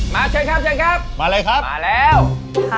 มาเชิญครับมาแล้วมาเลยครับ